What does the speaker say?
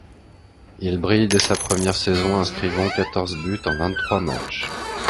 Il brille dès sa première saison inscrivant quatorze buts en vingt-trois matchs.